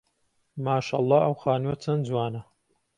ماشەڵڵا ئەو خانووە چەند جوانە.